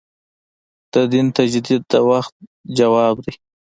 د دین تجدید د وخت ځواب دی.